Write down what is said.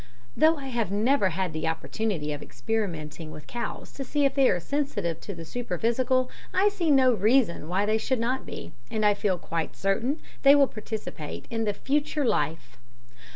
Though I have never had the opportunity of experimenting with cows to see if they are sensitive to the superphysical, I see no reason why they should not be, and I feel quite certain they will participate in "the future life."